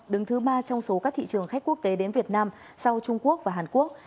đứng thứ ba trong số các thị trường khách quốc tế đến việt nam sau trung quốc và hàn quốc